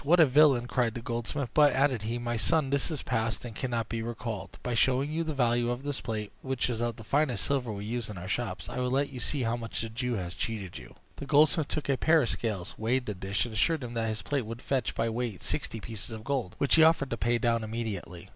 "What a villain!" cried the goldsmith. "But," added he, "my son, what is past cannot be recalled. By showing you the value of this plate, which is of the finest silver we use in our shops, I will let you see how much the Jew has cheated you." The goldsmith took a pair of scales, weighed the dish, and assured him that his plate would fetch by weight sixty pieces of gold, which he offered to pay down immediately.